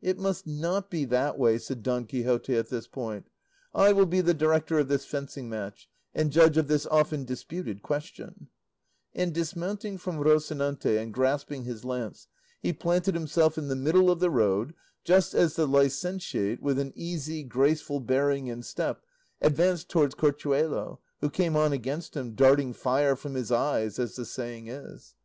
"It must not be that way," said Don Quixote at this point; "I will be the director of this fencing match, and judge of this often disputed question;" and dismounting from Rocinante and grasping his lance, he planted himself in the middle of the road, just as the licentiate, with an easy, graceful bearing and step, advanced towards Corchuelo, who came on against him, darting fire from his eyes, as the saying is.